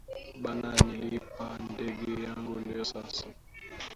Bana nilipa ndeni yangu leo sasa